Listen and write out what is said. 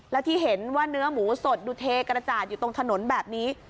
และที่เห็นว่าเนื้อหมูสดดูเทกระจาดอยู่ตรงถนนแบบนี้